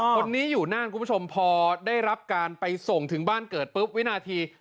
คนนี้อยู่นั่นคุณผู้ชมพอได้รับการไปส่งถึงบ้านเกิดปุ๊บวินาที